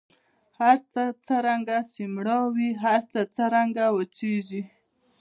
هرڅه څرنګه سي مړاوي هر څه څرنګه وچیږي